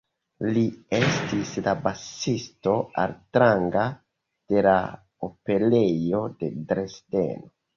Li estis la basisto altranga de la Operejo de Dresdeno.